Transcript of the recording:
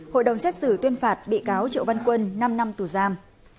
hội đồng xét xử tuyên phạt bị cáo triệu văn quân năm năm tù giam